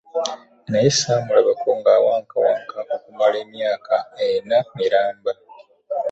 Naye ssaamulabako ng'awankawanka okumala emyaka ena miramba